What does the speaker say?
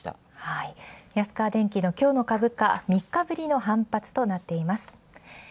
安川電機の今日の株価、３日ぶりの反発となっています。